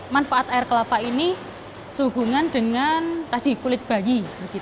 manfaat air kelapa ini sehubungan dengan kulit bayi